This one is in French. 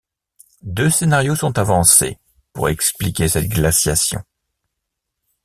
Deux scénarios sont avancés pour expliquer cette glaciation.